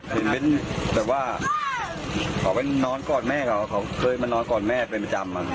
เห็นเป็นแบบว่าเขาไปนอนกอดแม่เขาเขาเคยมานอนกอดแม่เป็นประจำ